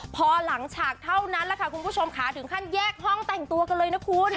พอหลังฉากเท่านั้นแหละค่ะคุณผู้ชมค่ะถึงขั้นแยกห้องแต่งตัวกันเลยนะคุณ